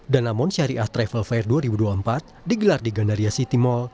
danamon syariah travel fair dua ribu dua puluh empat digelar di gandaria city mall